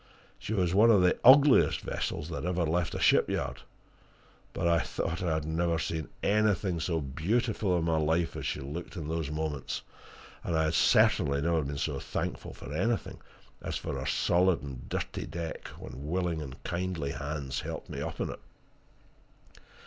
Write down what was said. She was one of the ugliest vessels that ever left a shipyard, but I thought I had never seen anything so beautiful in my life as she looked in those moments, and I had certainly never been so thankful for anything as for her solid and dirty deck when willing and kindly hands helped me up on it.